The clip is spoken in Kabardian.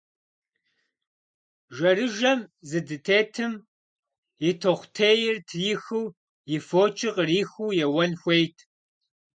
Жэрыжэм зыдытетым, и тохъутейр трихыу, и фочыр къырихыу еуэн хуейт.